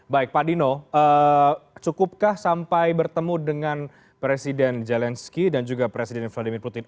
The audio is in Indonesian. baik pak dino cukupkah sampai bertemu dengan presiden zelensky dan juga presiden vladimir putin